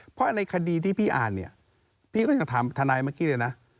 เพราะในคดีที่พี่อ่านเนี่ยพี่ก็ยังถามทนายเมื่อกี้เลยนะ